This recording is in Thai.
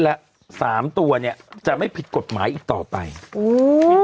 แล้วสามตัวเนี้ยจะไม่ผิดกฎหมายอีกต่อไปอุ้ย